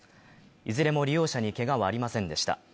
いずれも利用者にけがはありませんでした。